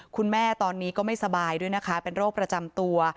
คุณแม่ตอนนี้ก็ไม่สบายด้วยนะคะเป็นโรคประจำตัว